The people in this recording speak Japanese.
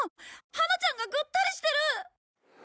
ハナちゃんがぐったりしてる！